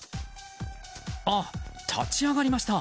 あ、立ち上がりました。